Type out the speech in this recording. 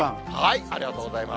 ありがとうございます。